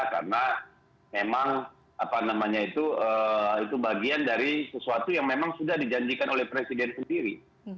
karena memang itu bagian dari sesuatu yang memang sudah dijanjikan oleh presiden sendiri